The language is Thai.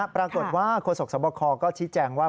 ปรากฏว่าโฆษกสวบคก็ชี้แจงว่า